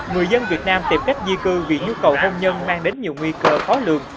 người dân việt nam tìm cách di cư vì nhu cầu hôn nhân mang đến nhiều nguy cơ khó lường